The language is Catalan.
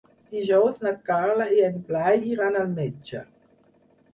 Dijous na Carla i en Blai iran al metge.